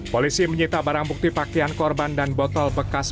polisi menyita barang bukti pakaian korban dan botol bekas